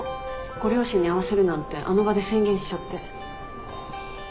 ご両親に会わせるなんてあの場で宣言しちゃって。